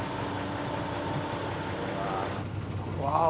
うわ